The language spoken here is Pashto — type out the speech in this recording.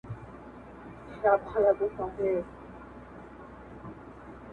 هم ئې قسم واخستى، هم ئې دعوه بايلول.